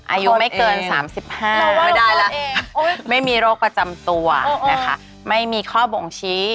อายุไม่เกิน๓๕ไม่ได้แล้วไม่มีโรคประจำตัวนะคะไม่มีข้อบ่งชี้